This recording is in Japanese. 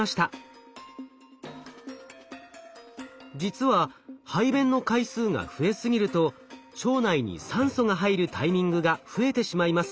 実は排便の回数が増えすぎると腸内に酸素が入るタイミングが増えてしまいます。